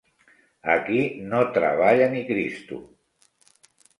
Aquí no treballa ni Cristo!